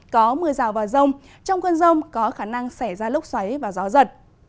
có mưa rào và rông trong cơn rông có khả năng xảy ra lốc xoáy và gió giật